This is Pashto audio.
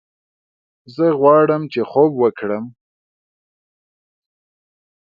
زه غواړم چې خوب وکړم